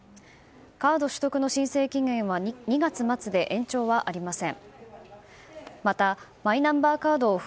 カード取得の申請期限は２月末で延長はありません。